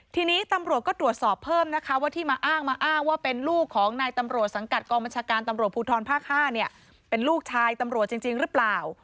ทีนี้ตำรวจก็ตรวจสอบเพิ่มนะคะว่าที่มาอ้างมาอ้างว่าเป็นลูกของนายตำรวจสังกัดกองบัญชาการตำรวจภูทรภาค๕เนี่ยเป็นลูกชายตำรวจจริงหรือเปล่า